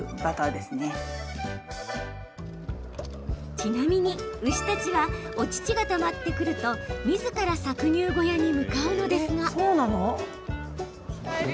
ちなみに、牛たちはお乳がたまってくると、みずから搾乳小屋に向かうのですが。